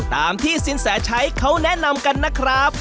ตามที่สินแสชัยเขาแนะนำกันนะครับ